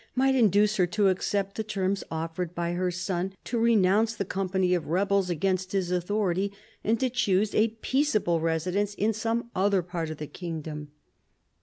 might induce her to accept the terms offered by her son to renounce the company of rebels against his authority, and to choose a peaceable residence in some other part of the kingdom.